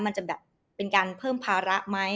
มันจะแบบเป็นการเพิ่มภาระไหม